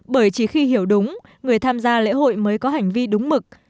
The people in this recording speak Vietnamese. bởi chỉ khi hiểu đúng người tham gia lễ hội mới có hành vi đúng mực